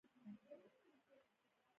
دا نورو معیوب ګڼل دي.